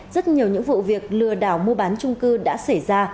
rất nhiều những vụ việc lừa đảo mua bán trung cư đã xảy ra